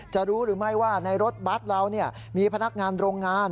จะรู้หรือไม่ว่าในรถบัตรเรามีพนักงานโรงงาน